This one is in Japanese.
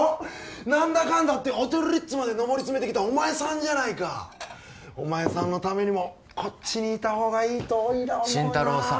何だかんだってオテル・リッツまで上り詰めてきたお前さんじゃないかお前さんのためにもこっちにいたほうがいいと新太郎さん